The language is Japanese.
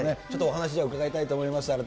ちょっとお話、じゃあ、伺いたいと思います。